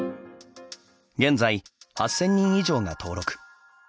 現在、８０００人以上が登録。